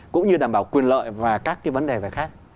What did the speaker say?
cũng như đảm bảo quyền lợi và các cái vấn đề về khác